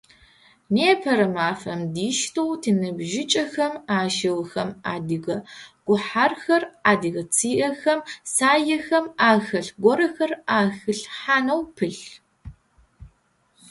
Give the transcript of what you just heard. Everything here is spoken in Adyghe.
Непэрэ мафэм диштэу тиныбжьыкӏэхэм ащыгъхэм адыгэ гухьархэр, адыгэ цыехэм, саехэм ахэлъ горэхэр ахилъхьанэу пылъ.